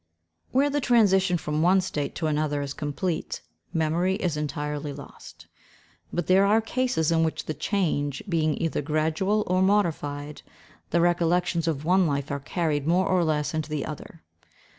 Where the transition from one state to another is complete, memory is entirely lost; but there are cases in which the change, being either gradual or modified, the recollections of one life are carried more or less into the other.